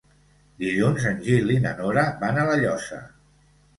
Dilluns en Gil i na Nora van a La Llosa.